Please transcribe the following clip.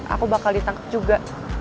aku bakal ditangkep juga